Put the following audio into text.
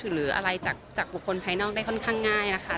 หรืออะไรจากบุคคลภายนอกได้ค่อนข้างง่ายนะคะ